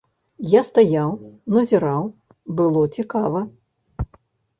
Я стаяў, назіраў, было цікава.